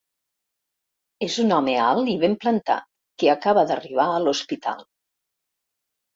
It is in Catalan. És un home alt i ben plantat que acaba d'arribar a l'hospital.